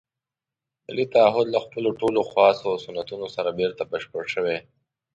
ملي تعهُد له خپلو ټولو خواصو او سنتونو سره بېرته بشپړ شوی.